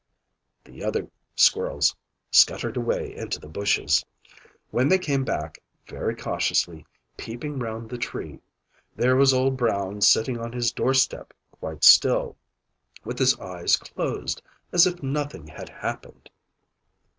The other squirrels scuttered away into the bushes. When they came back very cautiously, peeping round the tree there was Old Brown sitting on his door step, quite still, with his eyes closed, as if nothing had happened.